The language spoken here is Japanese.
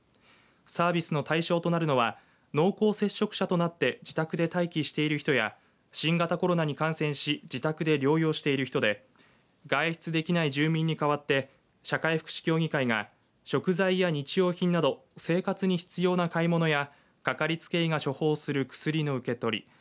サービスの対象となるのは濃厚接触者となって自宅で待機している人や新型コロナに感染し自宅で療養している人で外出できない住民に代わって社会福祉協議会が食材や日用品など生活に必要な買い物やかかりつけ医が処方する薬の受け取り